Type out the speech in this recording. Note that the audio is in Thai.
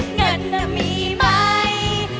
ฮุยฮาฮุยฮารอบนี้ดูทางเวที